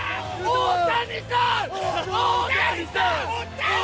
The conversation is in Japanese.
大谷さん！